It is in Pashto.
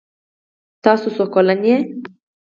تاسو څو کلن یې؟